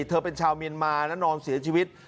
เธอเป็นชาวเมียนมาแล้วนอนเสียชีวิต